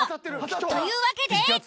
というわけで。